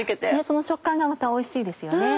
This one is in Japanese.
その食感がまたおいしいですよね。